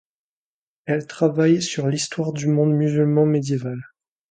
Elle travaille sur l'histoire du monde musulman médiéval.